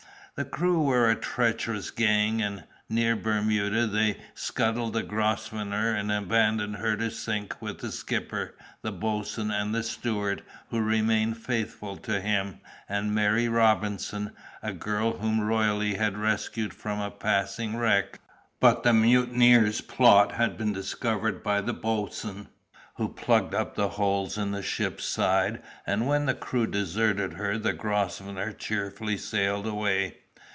The crew were a treacherous gang, and near Bermuda they scuttled the Grosvenor and abandoned her to sink with the skipper, the boatswain, and the steward who remained faithful to him, and Mary Robertson, a girl whom Royle had rescued from a passing wreck. But the mutineers' plot had been discovered by the boatswain, who plugged up the holes in the ship's side, and when the crew deserted her the Grosvenor cheerfully sailed away.